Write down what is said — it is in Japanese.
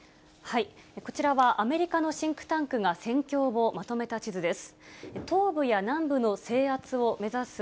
こちらは、アメリカのシンクタンクが戦況をまとめた地図です。